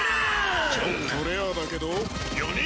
ちょっとレアだけど４人合わせて。